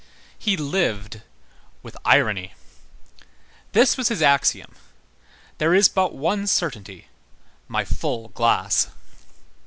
He lived with irony. This was his axiom: "There is but one certainty, my full glass."